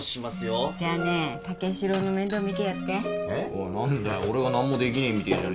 おい何だよ俺が何もできねえみてえじゃねえか。